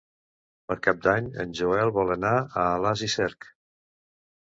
Per Cap d'Any en Joel vol anar a Alàs i Cerc.